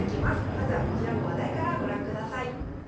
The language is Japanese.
まずはこちらの話題からご覧ください。